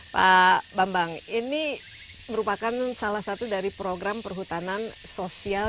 pak bambang ini merupakan salah satu dari program perhutanan sosial